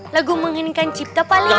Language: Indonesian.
lagu menginginkan cipta paling